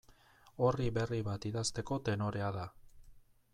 Orri berri bat idazteko tenorea da.